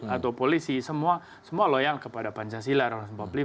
atau polisi semua loyal kepada pancasila dua ratus empat puluh lima